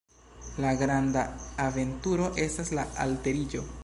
La granda aventuro estas la alteriĝo.